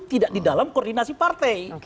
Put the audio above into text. tidak di dalam koordinasi partai